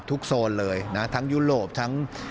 โซนเลยนะทั้งยุโรปทั้ง